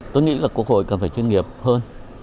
tôi nghĩ là quốc hội cần phải chuyên nghiệp hơn